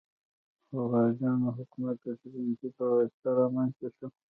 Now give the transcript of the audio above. خو غزنویان حکومت د سبکتګین په واسطه رامنځته شو.